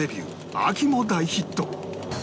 秋も大ヒット